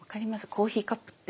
コーヒーカップって。